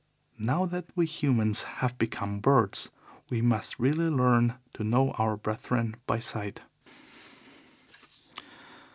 Now that we humans have become birds we must really learn to know our brethren by sight.